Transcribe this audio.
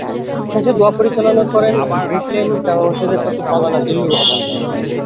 শেষে দোয়া পরিচালনা করেন ব্রিকলেইন জামে মসজিদের খতিব মওলানা জিল্লুর রহমান।